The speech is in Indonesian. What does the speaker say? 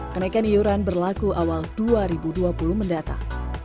kenaikan iuran berlaku awal dua ribu dua puluh mendatang